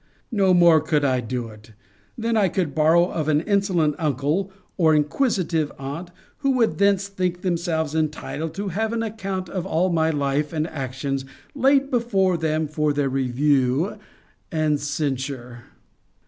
No more could I do it, then I could borrow of an insolent uncle, or inquisitive aunt, who would thence think themselves entitled to have an account of all my life and actions laid before them for their review and censure.